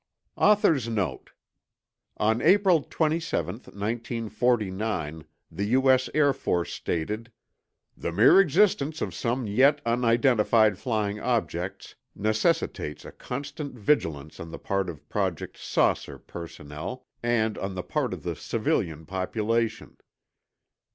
Author's Note ON APRIL 27, 1949, the U.S. Air Force stated: _"The mere existence of some yet unidentified flying objects necessitates a constant vigilance on the part of Project 'Saucer' personnel, and on the part of the civilian population.